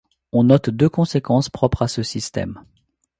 On note deux conséquences propres à ce système.